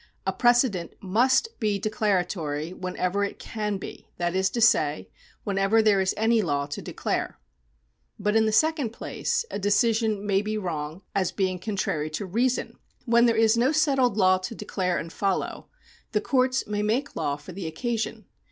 A precedent must be declaratory whenever it can be, that is to say, whenever there is any law to declare. But in the second place, a decision may be wrong as being contrary to reason. When there is no settled law to declare 1 London Street Tramways Company v.